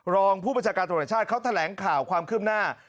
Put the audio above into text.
รองผู้ประชาการตรงไหนชาติเขาแถลงข่าวความขึ้นหน้า